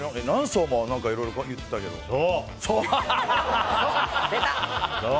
何層もいろいろ言ってたけど。